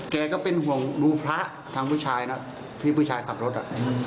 แกก็เป็นห่วงดูพระทางผู้ชายน่ะพี่ผู้ชายขับรถอ่ะอืม